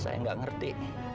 saya enggak ngerti